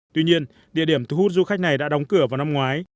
tuy nhiên địa điểm thu hút du khách này đã đóng cửa vào năm ngoái